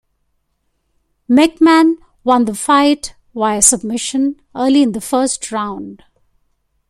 McMann won the fight via submission early in the first round.